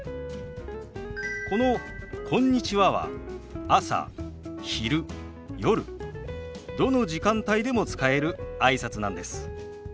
この「こんにちは」は朝昼夜どの時間帯でも使えるあいさつなんです。